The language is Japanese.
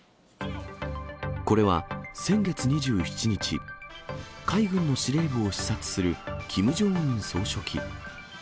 これは、先月２７日、海軍の司令部を視察するキム・ジョンウン総書記。